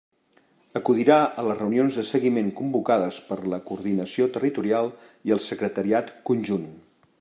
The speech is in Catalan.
Acudirà a les reunions de seguiment convocades per la coordinació territorial i el Secretariat Conjunt.